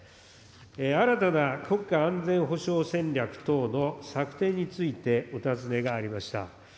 新たな国会安全保障戦略等の策定についてお尋ねがありました。